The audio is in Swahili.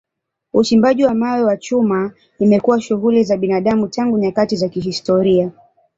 Uchimbaji wa mawe na chuma imekuwa shughuli za binadamu tangu nyakati za kihistoria.